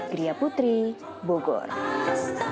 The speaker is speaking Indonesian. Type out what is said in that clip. geria putri boro bunga dan bunga